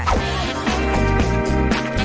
นั่งเลยค่ะ